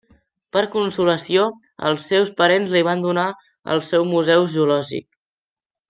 Per consolació, els seus parents li van donar el seu museu zoològic.